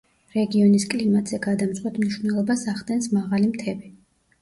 რეგიონის კლიმატზე გადამწყვეტ მნიშვნელობას ახდენს მაღალი მთები.